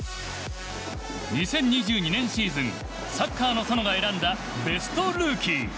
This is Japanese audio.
２０２２年シーズン「サッカーの園」が選んだベストルーキー。